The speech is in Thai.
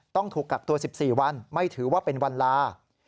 ต้องถูกกักตัว๑๔วันไม่ถือว่าเป็นวันลา